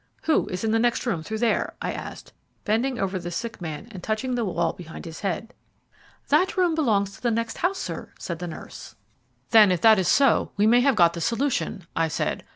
"Who is in the next room through there?" I asked, bending over the sick man and touching the wall behind his head. "That room belongs to the next house, sir," said the nurse. "Then, if that is so, we may have got the solution," I said.